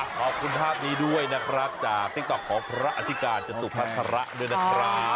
ขอบคุณภาพนี้ด้วยนะครับจากติ๊กต๊อกของพระอธิการจตุพัฒระด้วยนะครับ